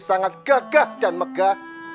sangat gagah dan megah